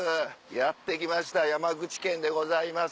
やって来ました山口県でございます。